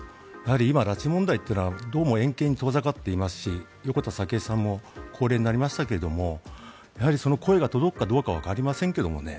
今、拉致問題というのはどうも遠ざかっていますし横田早紀江さんも高齢になりましたがやはりその声が届くかどうかはわかりませんけどね。